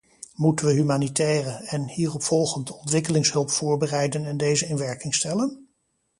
Moeten we humanitaire en, hierop volgend, ontwikkelingshulp voorbereiden en deze in werking stellen?